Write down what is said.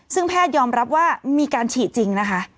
ซึ่งแพทยอมรับว่ามีการฉีดจริงนะคะ